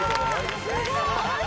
「すごい！」